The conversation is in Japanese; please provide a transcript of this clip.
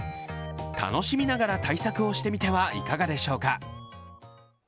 楽しみながら対策をしてみてはいかがでしょうか。